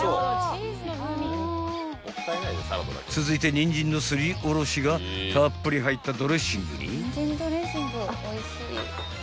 ［続いてニンジンのすりおろしがたっぷり入ったドレッシングに］